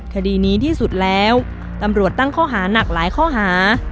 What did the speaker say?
คดีนี้ที่สุดแล้วตำรวจตั้งข้อหานักหลายข้อหา